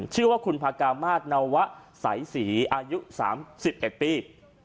ชื่อว่าคุณพากามาศนวะสายศรีอายุ๓๑ปี